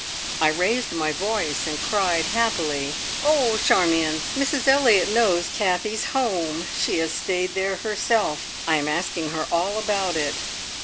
I raised my voice, and cried happily: "Oh, Charmion! Mrs Elliott knows Kathie's home. She has stayed there herself. I am asking her all about it."